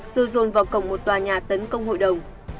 rồi dồn vào cổng một tòa nhà tấn công hội đồng